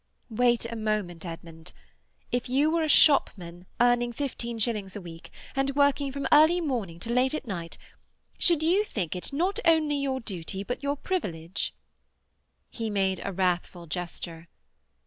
"Wait a moment, Edmund. If you were a shopman earning fifteen shillings a week, and working from early morning to late at night, should you think it not only your duty but your privilege?" He made a wrathful gesture.